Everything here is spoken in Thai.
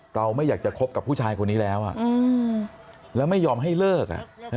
เราไม่อยากจะคบกับผู้ชายคนนี้แล้วแล้วไม่ยอมให้เลิก